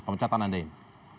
pemecatan anda ini